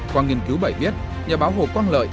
qua nghiên cứu bài viết nhà báo hồ quang lợi